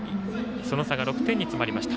その差が６点に詰まりました。